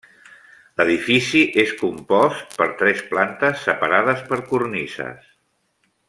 L'edifici és compost per tres plantes separades per cornises.